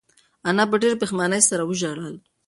انا په ډېرې پښېمانۍ سره وژړل.